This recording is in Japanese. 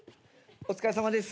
お疲れさまです。